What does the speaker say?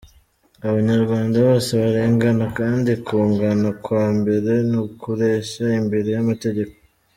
Abanyarwanda bose barangana kandi kungana kwa mbere ni ukureshya imbere y’amategeko.